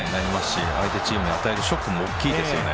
相手チームに与えるショックも大きいですよね。